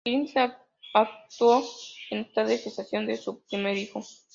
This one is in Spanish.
Kirsten actuó en estado de gestación de su primer hijo.